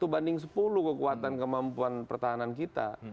satu banding sepuluh kekuatan kemampuan pertahanan kita